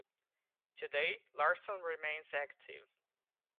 Today, Larson remains active.